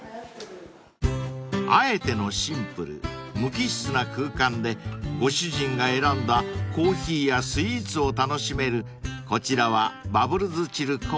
［あえてのシンプル無機質な空間でご主人が選んだコーヒーやスイーツを楽しめるこちらはバブルズチルコーヒーさん］